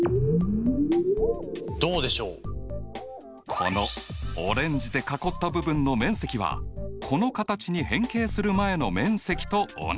このオレンジで囲った部分の面積はこの形に変形する前の面積と同じ。